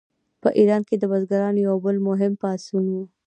په ایران کې د بزګرانو یو بل مهم پاڅون و.